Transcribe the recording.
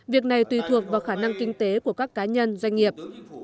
việc này tùy thuộc vào khả năng kinh tế của các cá nhân doanh nghiệp